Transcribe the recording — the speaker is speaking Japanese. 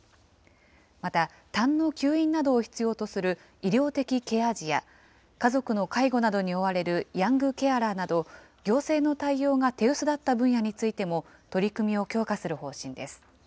また、たんの吸引などを必要とする医療的ケア児や、家族の介護などに追われるヤングケアラーなど、行政の対応が手薄だった分野についても、取り組みを強化する方針です。